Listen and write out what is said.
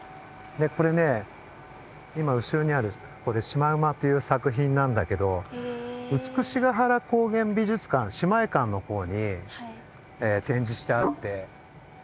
これね今後ろにある「しまうま」っていう作品なんだけど美ヶ原高原美術館姉妹館のほうに展示してあって。